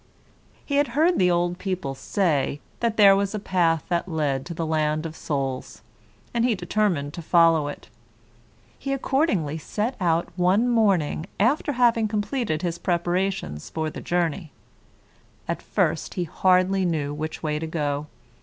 He had heard the old people say, that there was a path that led to the land of souls, and he determined to follow it. He accordingly set out, one morning, after having completed his preparations for the journey. At first he hardly knew which way to go.